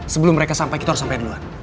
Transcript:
sebelum mereka sampai kita harus sampai duluan